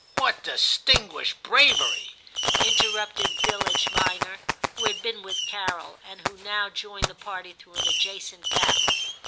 What distinguished bravery !' interrupted Villidge minor, who had been with Carol, and who now joined the party through an adjacent gap.